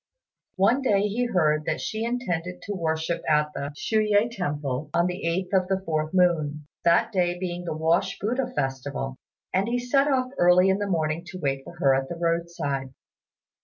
One day he heard that she intended to worship at the Shui yüeh temple on the 8th of the fourth moon, that day being the Wash Buddha festival; and he set off early in the morning to wait for her at the roadside.